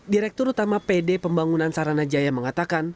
direktur utama pd pembangunan sarana jaya mengatakan